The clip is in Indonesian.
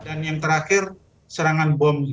dan yang terakhir serangan bom